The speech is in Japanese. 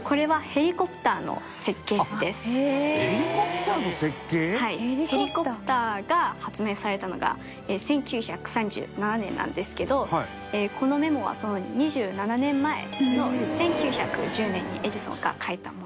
ヘリコプターが発明されたのが１９３７年なんですけどこのメモはその２７年前の１９１０年にエジソンが書いたものです。